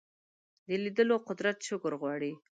د لیدلو قدرت شکر غواړي